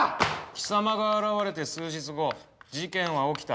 貴様が現れて数日後事件は起きた。